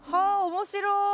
面白い。